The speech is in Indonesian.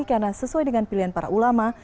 karena sesuai dengan pilihan para ulama